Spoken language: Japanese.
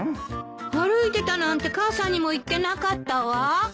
歩いてたなんて母さんにも言ってなかったわ。